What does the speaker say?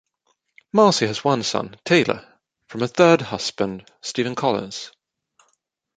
Marcy has one son, Taylor, from her third husband, Stephan Collins.